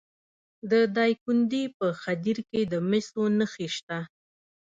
د دایکنډي په خدیر کې د مسو نښې شته.